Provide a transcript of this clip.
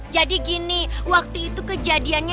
jadi gini waktu itu kejadiannya